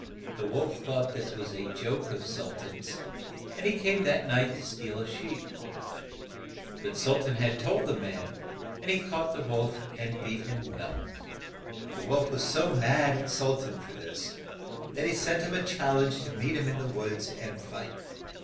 The wolf thought this was a joke of Sul tan's, and he came that night to steal a sheep. But Sul tan had told the man, *"*«*•" OLD SULTAN AND HIS SECOND. and he caught the wolf and beat him well. The wolf was so mad at Sul tan for this that he sent him a chal lenge to meet him in the woods and fight.